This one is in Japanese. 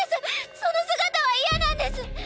その姿は嫌なんですッ！